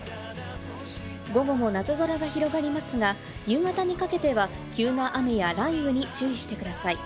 午後も夏空が広がりますが、夕方にかけては、急な雨や雷雨に注意してください。